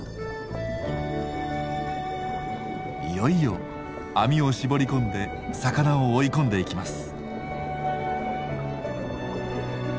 いよいよ網を絞り込んで魚を追い込んでいきます。